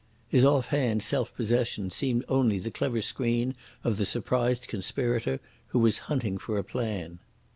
His off hand self possession seemed only the clever screen of the surprised conspirator who was hunting for a plan.